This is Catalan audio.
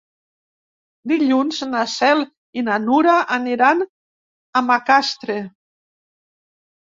Dilluns na Cel i na Nura aniran a Macastre.